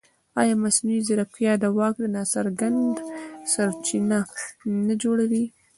ایا مصنوعي ځیرکتیا د واک ناڅرګند سرچینه نه جوړوي؟